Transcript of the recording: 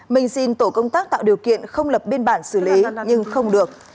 mình xin tổ công tác tạo điều kiện không lập biên bản xử lý nhưng không được